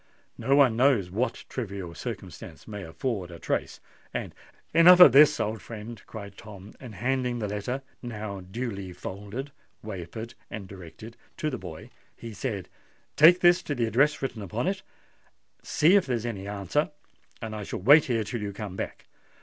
No one knows what trivial circumstance may afford a trace; and——" "Enough of this, old friend," cried Tom; and handing the letter, now duly folded, wafered, and directed, to the boy, he said, "Take this to the address written upon it: see if there's any answer; and I shall wait here till you come back.